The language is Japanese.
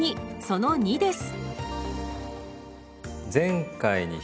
その２です。